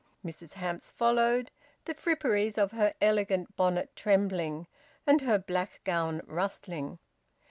Mrs Hamps followed, the fripperies of her elegant bonnet trembling, and her black gown rustling.